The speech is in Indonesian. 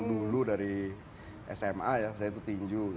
dulu dari sma ya saya itu tinju